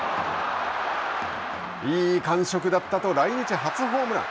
いい感触だったと来日初ホームラン。